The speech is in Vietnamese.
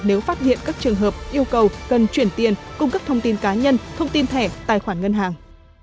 nếu phát hiện các trường hợp yêu cầu cần chuyển tiền cung cấp thông tin cá nhân thông tin thẻ tài khoản ngân hàng